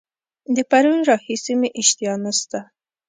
د پرون راهیسي مي اشتها نسته.